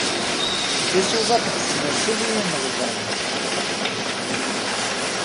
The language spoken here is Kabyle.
Isuḍaf d snasel i yimeɣban.